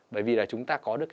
bởi vì là chúng ta có được